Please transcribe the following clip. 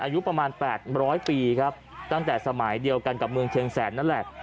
อายุประมาณ๘๐๐ปีครับตั้งแต่สมัยเดียวกันกับเมืองเชียงแสนนั่นแหละ